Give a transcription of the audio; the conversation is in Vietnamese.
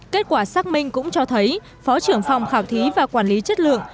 kết quả xác minh cũng cho thấy phó trưởng phòng khảo thí và quản lý chất lượng